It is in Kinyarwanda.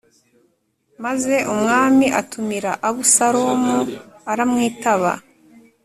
maze umwami atumira Abusalomu, aramwitaba.